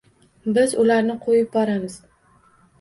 Biz ularni qoʻyib boramiz.